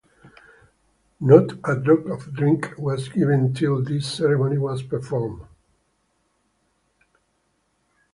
Not a drop of drink was given till this ceremony was performed.